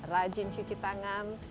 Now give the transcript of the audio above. rajin cuci tangan